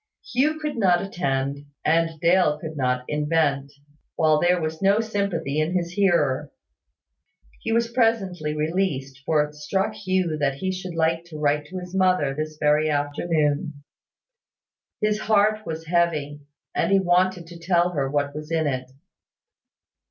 Hugh could not attend; and Dale could not invent, while there was no sympathy in his hearer. He was presently released, for it struck Hugh that he should like to write to his mother this very afternoon. His heart was heavy, and he wanted to tell her what was in it.